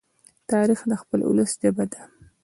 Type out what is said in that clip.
تاریخ د خپل ولس ژبه ده.